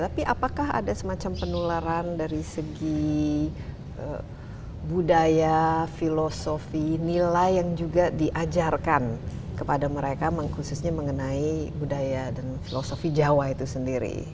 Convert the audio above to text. tapi apakah ada semacam penularan dari segi budaya filosofi nilai yang juga diajarkan kepada mereka khususnya mengenai budaya dan filosofi jawa itu sendiri